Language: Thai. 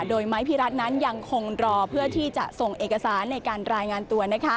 โดยไม้พี่รัฐนั้นยังคงรอเพื่อที่จะส่งเอกสารในการรายงานตัว